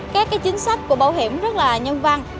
các chính sách của bảo hiểm rất là nhân văn